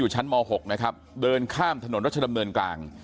ชั้นม๖นะครับเดินข้ามถนนรัชดำเนินกลาง